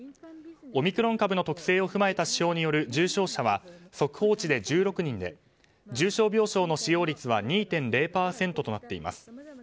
オミクロン株の特性を踏まえた指標による重症者は速報値で１６人で重症病床の使用率は２．０％となっています。